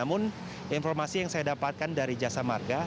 namun informasi yang saya dapatkan dari jasa marga